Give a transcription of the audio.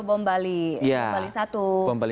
ketika dulu bom bali satu